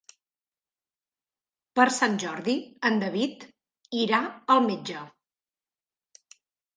Per Sant Jordi en David irà al metge.